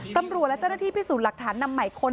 ตำรวจและเจ้าหน้าที่พิสูจน์หลักฐานนำใหม่คน